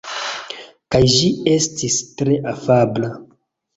Kaj ĝi estis tre afabla.